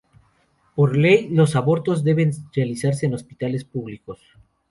Por ley, los abortos deben de realizarse en hospitales públicos.